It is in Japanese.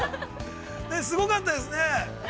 すごかったですね。